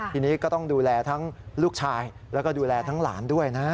ทีนี้ก็ต้องดูแลทั้งลูกชายแล้วก็ดูแลทั้งหลานด้วยนะ